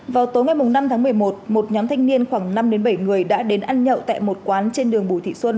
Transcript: vào tối ngày năm tháng một mươi một một nhóm thanh niên khoảng năm bảy người đã đến ăn nhậu tại một quán trên đường bùi thị xuân